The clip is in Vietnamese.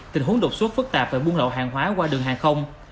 tình huống đột xuất phức tạp về buôn lậu hàng hóa qua đường hàng không